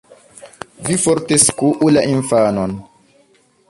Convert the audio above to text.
Vi forte skuu la infanon